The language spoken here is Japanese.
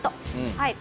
はい。